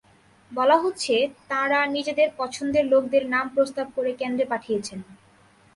বলা হচ্ছে, তাঁরা নিজেদের পছন্দের লোকদের নাম প্রস্তাব করে কেন্দ্রে পাঠিয়েছেন।